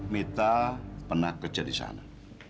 mita pernah kerja di sana